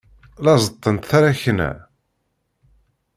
La ẓeṭṭent taṛakna.